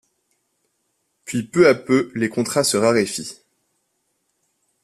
Puis peu à peu les contrats se raréfient.